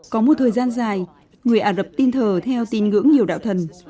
có một thời gian dài người ả rập tin thờ theo tín ngưỡng nhiều đạo thần